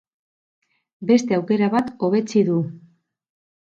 Beste aukera bat hobetsi du.